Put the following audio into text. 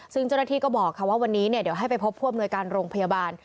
ซึ่งเจ้าหน้าที่ก็บอกว่าวันนี้เนี่ยเดี๋ยวให้ไปพบพรวมนวยการโรงพยาบาล